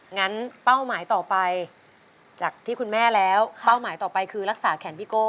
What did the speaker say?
เป้าหมายต่อไปจากที่คุณแม่แล้วเป้าหมายต่อไปคือรักษาแขนพี่โก้